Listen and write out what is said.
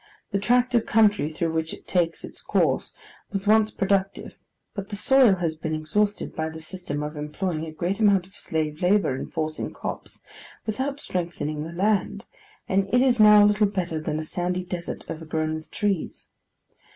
The tract of country through which it takes its course was once productive; but the soil has been exhausted by the system of employing a great amount of slave labour in forcing crops, without strengthening the land: and it is now little better than a sandy desert overgrown with trees.